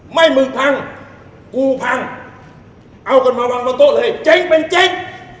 ไม่มึงพังกูพังเอากันมาวางบนโต๊ะเลยเจ๊งเป็นเจ๊ง